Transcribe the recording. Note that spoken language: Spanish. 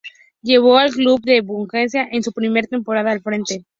Llevó al club a la Bundesliga en su primera temporada al frente.